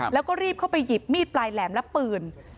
แล้วก็รีบเข้าไปหยิบมีดปลายแหลมและปืน